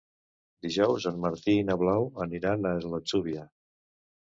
Dijous en Martí i na Blau aniran a l'Atzúbia.